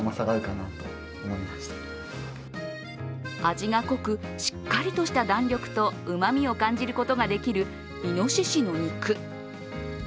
味が濃く、しっかりとした弾力をうまみを感じることができるイノシシの肉。